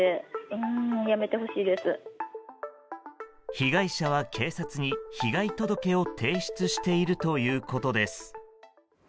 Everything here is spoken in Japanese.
被害者は警察に、被害届を提出しているということです。